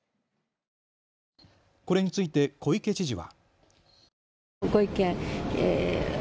これについて小池知事は。